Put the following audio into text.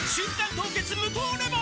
凍結無糖レモン」